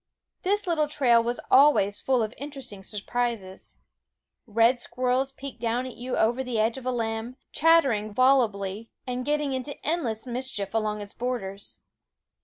This little ^,,trail was always full of interesting surprises. ^^Keen Eyed Red squirrels peeked down at you over the edge of a limb, chattering volubly and get ting into endless mischief along its borders.